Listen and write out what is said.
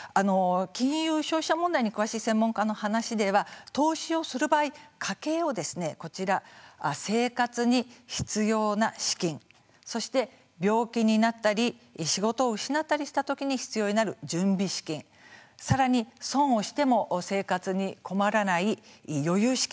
金融消費者問題に詳しい専門家の話では、投資をする場合家計を、こちら生活に必要な資金そして病気になったり仕事を失ったりしたときに必要になる準備資金さらに損をしても生活に困らない余裕資金